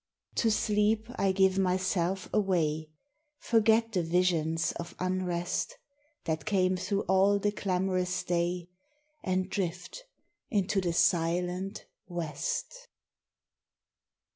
To sleep I give myself away, Forget the visions of unrest That came through all the clamorous day, And drift into the silent west.